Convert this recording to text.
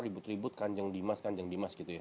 ribut ribut kanjeng dimas kanjeng dimas gitu ya